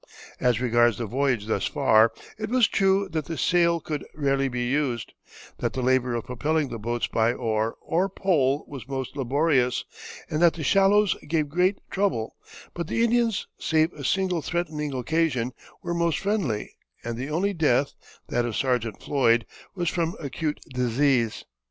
As regards the voyage thus far, it was true that the sail could rarely be used, that the labor of propelling the boats by oar or pole was most laborious, and that the shallows gave great trouble; but the Indians, save a single threatening occasion, were most friendly, and the only death, that of Sergeant Floyd, was from acute disease.